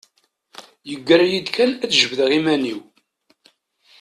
Yeggra-iyi-d kan ad jebdeɣ iman-iw.